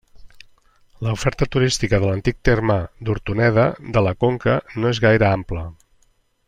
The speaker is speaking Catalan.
L'oferta turística de l'antic terme d'Hortoneda de la Conca no és gaire ampla.